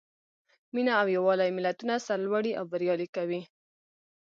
مینه او یووالی ملتونه سرلوړي او بریالي کوي.